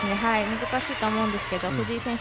難しいとは思うんですけど藤井選手